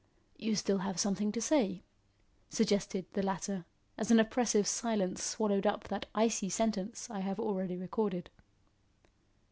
"You have still something to say," suggested the latter, as an oppressive silence swallowed up that icy sentence I have already recorded.